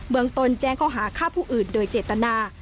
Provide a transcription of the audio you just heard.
เบื้องตนแจงเขาหาค่าผู้อื่นโดยเจตนา